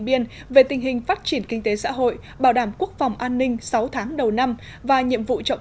biên về tình hình phát triển kinh tế xã hội bảo đảm quốc phòng an ninh sáu tháng đầu năm và nhiệm vụ trọng